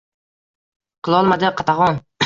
Qilolmadi qatag’on.